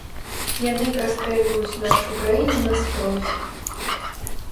Яны прастрэльваюць нашу краіну наскрозь.